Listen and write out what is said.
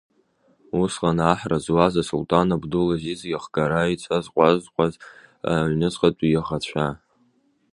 Усҟан аҳра зуаз асулҭан Абдул-Азиз, иахгара еиҵазҟәаҟәаз аҩнуҵҟатәи иаӷацәа…